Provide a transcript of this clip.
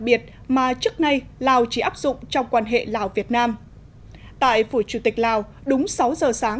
biệt mà trước nay lào chỉ áp dụng trong quan hệ lào việt nam tại phủ chủ tịch lào đúng sáu giờ sáng